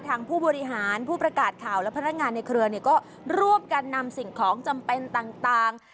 ผู้บริหารผู้ประกาศข่าวและพนักงานในเครือก็รวบกันนำสิ่งของจำเป็นต่าง